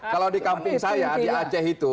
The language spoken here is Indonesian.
kalau di kampung saya di aceh itu